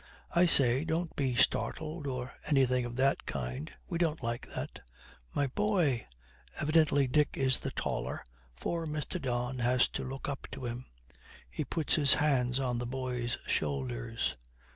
I say, don't be startled, or anything of that kind. We don't like that.' 'My boy!' Evidently Dick is the taller, for Mr. Don has to look up to him. He puts his hands on the boy's shoulders.